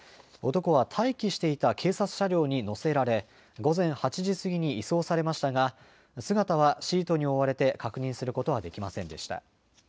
男は待機していた警察車両に乗せられ、午前８時過ぎに移送されましたが、姿はシートに覆われて確認することはできませんでした。